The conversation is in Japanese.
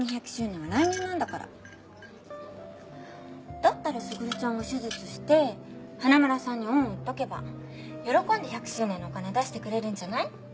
だったら卓ちゃんが手術して花村さんに恩を売っとけば喜んで１００周年のお金出してくれるんじゃない？